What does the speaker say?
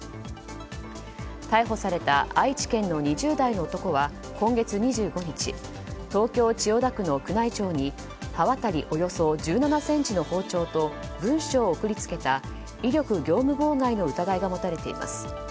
逮捕された愛知県の２０代の男は今月２５日東京・千代田区の宮内庁に刃渡りおよそ１７ｃｍの包丁と文書を送り付けた威力業務妨害の疑いが持たれています。